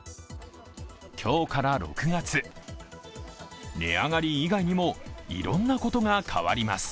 今日から６月、値上がり以外にもいろんなことが変わります。